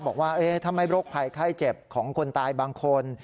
บอกว่าถ้าไม่โรคภัยไข้เจ็บของคนตายบางคน